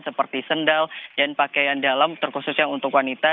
seperti sendal dan pakaian dalam terkhususnya untuk wanita